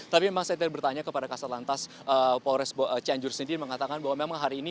tapi memang saya tadi bertanya kepada kasat lantas polres cianjur sendiri mengatakan bahwa memang hari ini